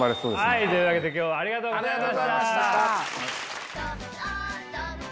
はいというわけで今日はありがとうございました。